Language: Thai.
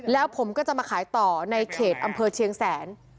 แล้วผมก็จะมาขายต่อในเขตอำเภอเชียงแสน